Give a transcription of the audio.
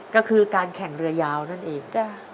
ก็คือการแข่งเรือยาวนั่นเอง